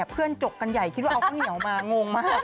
จกกันใหญ่คิดว่าเอาข้าวเหนียวมางงมาก